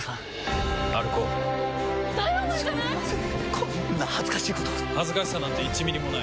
こんな恥ずかしいこと恥ずかしさなんて１ミリもない。